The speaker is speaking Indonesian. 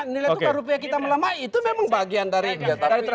nilai tukar rupiah kita melemah itu memang bagian dari